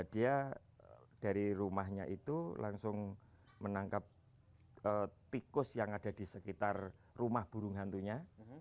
dia dari rumahnya itu langsung menangkap tikus yang ada di sekitar rumah burung hantunya